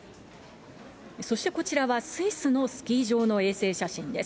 そしてこちらはスイスのスキー場の衛星写真です。